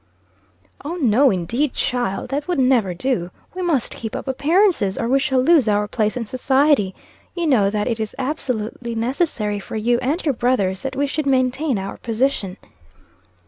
"O no, indeed, child. That would never do. We must keep up appearances, or we shall lose our place in society. You know that it is absolutely necessary for you and your brothers, that we should maintain our position."